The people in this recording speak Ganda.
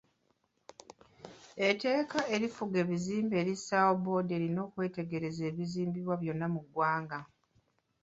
Etteeka erifuga ebizimbe lissaawo boodi erina okwetegereza ebizimbibwa byonna mu ggwanga.